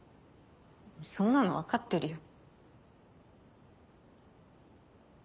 そんなの分かってるよ。